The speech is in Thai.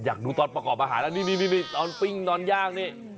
อยากดูตอนประกอบอาหารแล้วนี่ตอนปิ้งตอนย่างนี่